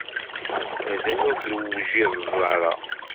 Mazal ur tewjiḍeḍ ara?